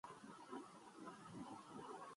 کنبہ کے ساتھ شمالی علاقوں کا سفر کرتے ہیں